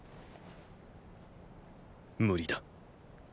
無理だ。